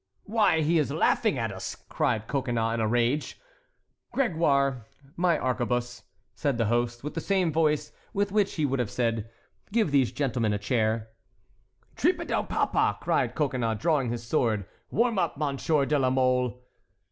"Why! he is laughing at us," cried Coconnas, in a rage. "Grégoire, my arquebuse," said the host, with the same voice with which he would have said, "Give these gentleman a chair." "Trippe del papa!" cried Coconnas, drawing his sword; "warm up, Monsieur de la Mole."